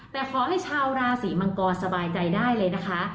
แต่ขอให้ชาวราศรีมังกรสบายใจได้เลยนะคะ